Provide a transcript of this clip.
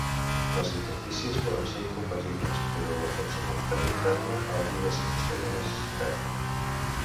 Les interfícies poden ser incompatibles, però la funcionalitat interna hauria de satisfer la necessitat.